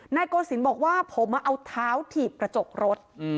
โกศิลป์บอกว่าผมมาเอาเท้าถีบกระจกรถ